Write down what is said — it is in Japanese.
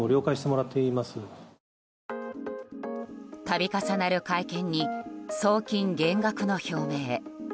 度重なる会見に送金減額の表明。